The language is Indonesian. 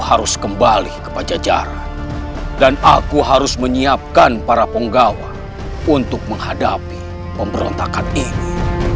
harus kembali ke pajajaran dan aku harus menyiapkan para penggawa untuk menghadapi pemberontakan ini